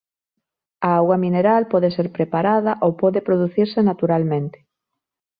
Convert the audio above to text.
A auga mineral pode ser preparada ou pode producirse naturalmente.